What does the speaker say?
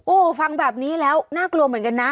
โอ้โหฟังแบบนี้แล้วน่ากลัวเหมือนกันนะ